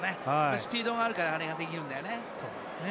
スピードがあるからあれができるんだよね。